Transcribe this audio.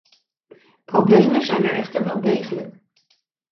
Problemen zijn er echter wel degelijk.